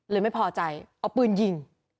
ไม่พอใจเอาปืนยิง